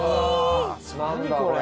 何だこれ。